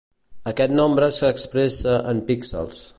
Aquest nombre s'expressa en píxels.